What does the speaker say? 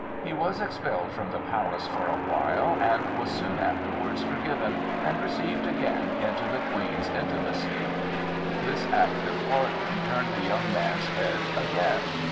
He was expelled from the palace for a while, but was soon afterwards forgiven and received again into the Queen's intimacy. This act of pardon turned the young man's head again.